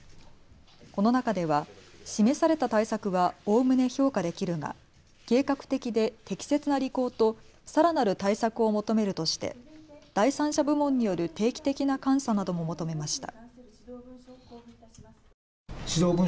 この中では示された対策はおおむね評価できるが計画的で適切な履行とさらなる対策を求めるとして第三者部門による定期的な監査なども求めました。